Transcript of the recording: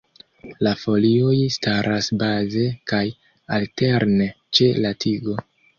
La folioj staras baze kaj alterne ĉe la tigo.